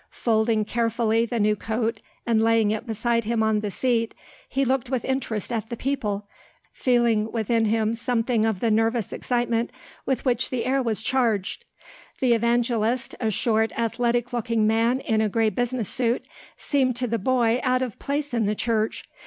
Folding carefully the new coat and laying it beside him on the seat he looked with interest at the people, feeling within him something of the nervous excitement with which the air was charged. The evangelist, a short, athletic looking man in a grey business suit, seemed to the boy out of place in the church.